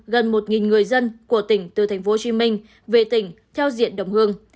gần một người dân của tỉnh từ tp hcm về tỉnh theo diện đồng hương